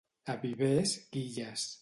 A Vivers, guilles.